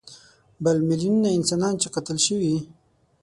بل میلیونونه انسانان چې قتل شوي.